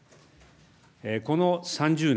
この３０年、